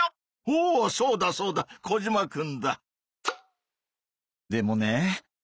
おおそうだそうだコジマくんだ。